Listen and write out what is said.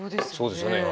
そうですよね。